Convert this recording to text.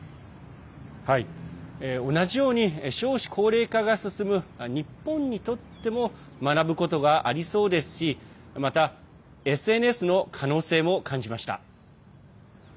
同じように少子高齢化が進む日本にとっても学ぶことがありそうですしまたＳＮＳの可能性も感じました。